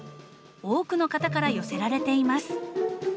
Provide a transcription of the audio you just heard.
多くの方から寄せられています。